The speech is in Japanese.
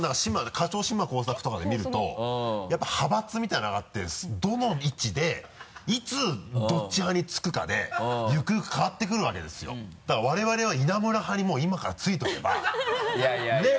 「課長島耕作」とかで見るとやっぱり派閥みたいなのがあってどの位置でいつどっち派につくかでゆくゆく変わってくるわけですよだから我々は「稲村派」にもう今からついておけば。いやいや。ねぇ？